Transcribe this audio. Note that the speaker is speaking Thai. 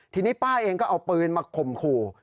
ทีนี้ป้าเองก็เอาปืนมาข่มขู่